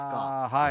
はい。